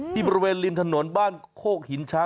ที่บริเวณริมถนนบ้านโคกหินช้าง